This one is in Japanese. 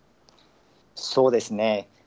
そうですね。